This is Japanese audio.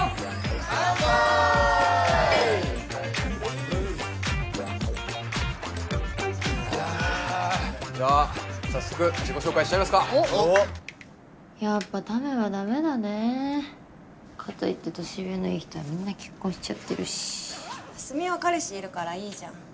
かんぱーいじゃあ早速自己紹介しちゃいますかやっぱタメはダメだねぇかといって年上のいい人はみんな結婚しちゃってるし明日美は彼氏いるからいいじゃん